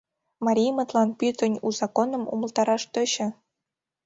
Мариймытлан пӱтынь у законым умылтараш тӧчӧ.